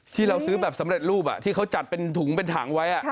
ที่เราซื้อแบบสำเร็จรูปที่เขาจัดเป็นถุงเป็นถังไว้